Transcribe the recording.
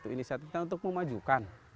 inisiatifnya untuk memajukan